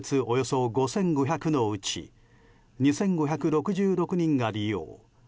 およそ５５００のうち２５６６人が利用。